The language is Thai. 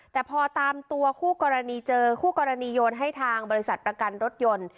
แต่พอตามตัวคู่กรณีเจอคู่กรณีโยนให้ทางบริษัทประกันรถยนต์